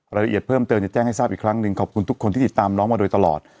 รายละเอียดเพิ่มเติมจะแจ้งให้ทราบอีกครั้งหนึ่งขอบคุณทุกคนที่ติดตามน้องมาโดยตลอด